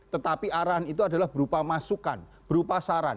tetapi arahan itu adalah berupa masukan berupa saran